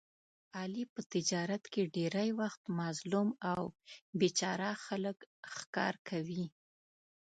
علي په تجارت کې ډېری وخت مظلوم او بې چاره خلک ښکار کوي.